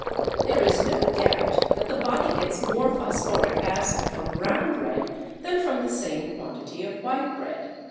There is no doubt that the body gets more phosphoric acid from brown bread than from the same quantity of white bread.